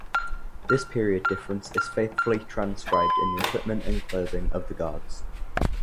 This period difference is faithfully transcribed in the equipment and clothing of the guards.